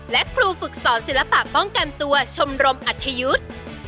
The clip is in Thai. และครูฝึกสอนศิลปะป้องกันตัวชมรมอัธยุทธ์